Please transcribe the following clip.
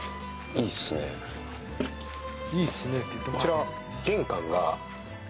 いいっすねって言ってますね。